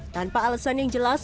tanpa alasan yang jelas